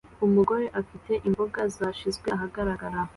Umugore afite imboga zashyizwe ahagaragara